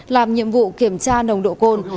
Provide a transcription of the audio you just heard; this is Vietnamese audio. làm nhiệm vụ kiểm tra nồng độ cồn